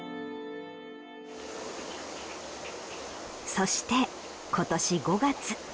そして今年５月。